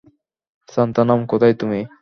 সান্থানাম, কোথায় তুমি?